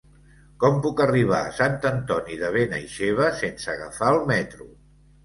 Com puc arribar a Sant Antoni de Benaixeve sense agafar el metro?